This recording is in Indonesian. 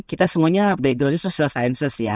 kita semuanya berdebat di social sciences ya